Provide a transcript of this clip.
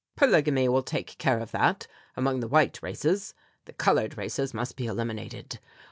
"Polygamy will take care of that, among the white races; the coloured races must be eliminated.